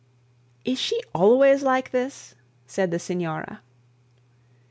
'Is she always like this?' said the signora.